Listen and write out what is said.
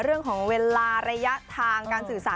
เรื่องของเวลาระยะทางการสื่อสาร